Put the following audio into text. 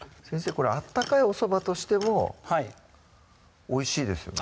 これ温かいおそばとしてもおいしいですよね